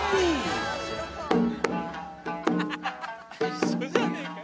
一緒じゃねぇか。